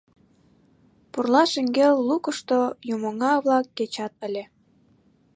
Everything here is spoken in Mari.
Пурла шеҥгел лукышто юмоҥа-влак кечат ыле.